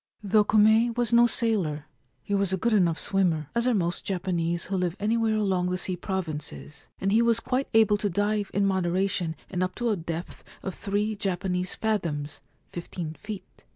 Though Kume was no sailor, he was a good enough swimmer, as are most Japanese who live anywhere along the sea provinces, and he was quite able to dive in moderation and up to a depth of three Japanese fathoms — fifteen feet.